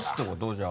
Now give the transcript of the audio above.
じゃあ。